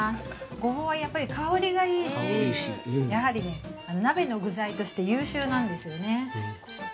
ごぼうは、やっぱり香りがいいしやはりね、鍋の具材として優秀なんですよね。